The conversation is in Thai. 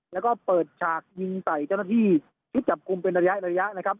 แล้วก็เปิดฉากยิงใส่เจ้าหน้าที่ชุดจับกลุ่มเป็นระยะนะครับ